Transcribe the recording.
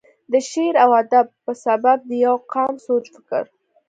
دَ شعر و ادب پۀ سبب دَ يو قام سوچ فکر،